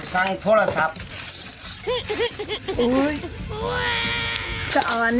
สั่งโทรศัพท์